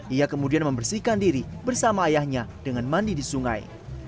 ia kemudian membersihkan diri bersama ayahnya dengan mandi di sungai